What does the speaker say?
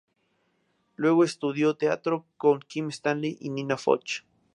Luego estudió teatro con Kim Stanley y Nina Foch.